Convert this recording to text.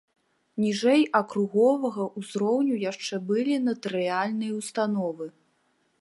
Ніжэй акруговага ўзроўню яшчэ былі натарыяльныя ўстановы.